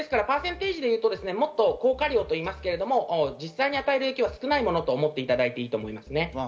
パーセンテージでいうと、もっと効果量といいますが、実際に与える影響は少ないと思っていただいていいと思います。